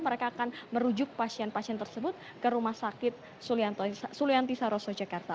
mereka akan merujuk pasien pasien tersebut ke rumah sakit sulianti saroso jakarta